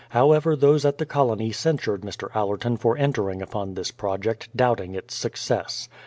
However those at the colony censured Mr. Allerton for entering upon this project, doubting its success.